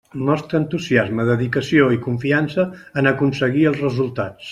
Mostra entusiasme, dedicació i confiança en aconseguir els resultats.